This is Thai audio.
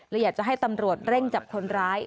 อยากจะให้ตำรวจเร่งจับคนร้าย